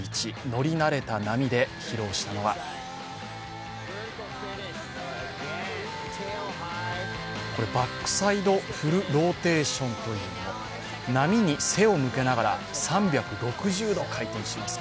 乗り慣れた波で披露したのはバックサイド・フルローテーションというもの、波に背を向けながら３６０度回転します。